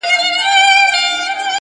د يوه يې سل لكۍ وې يو يې سر وو-